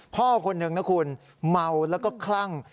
พ่อคนหนึ่งนะคุณเมาแล้วก็คลั่ง